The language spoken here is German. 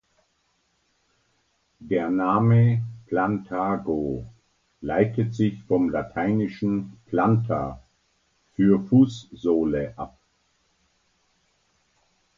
Der Name "Plantago" leitet sich vom lateinischen „Planta“ für Fußsohle ab.